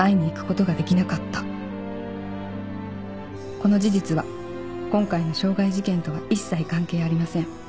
「この事実は今回の傷害事件とは一切関係ありません」